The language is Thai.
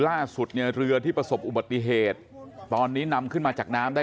ล่าสุดเนี่ยเรือที่ประสบอุบัติเหตุตอนนี้นำขึ้นมาจากน้ำได้